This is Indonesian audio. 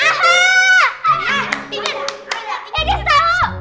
ya udah tau